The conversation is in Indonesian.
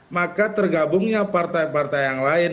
maka tergabungnya partai partai yang lain